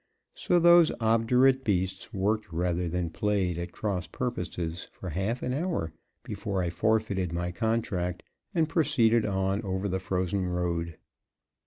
So those obdurate beasts worked rather than played at cross purposes for half an hour before I forfeited my contract and proceeded on over the frozen road.